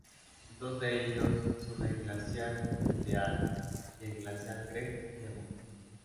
Dos de ellos son el Glaciar Mendenhall y el Glaciar Creek Lemon.